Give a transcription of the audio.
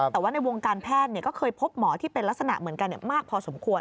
แต่ว่าในวงการแพทย์ก็เคยพบหมอที่เป็นลักษณะเหมือนกันมากพอสมควร